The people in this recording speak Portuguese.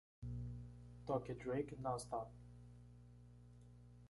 Toque Drake Nonstop.